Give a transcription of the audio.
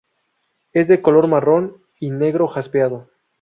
Es de un color marrón y negro jaspeado.